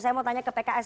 saya mau tanya ke pks